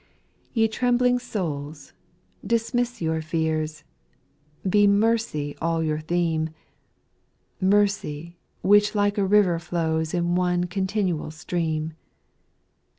"y^E trembling souls, dismiss your fears, JL Be mercy all your theme, — Mercy, which like a river flows In one continual stream.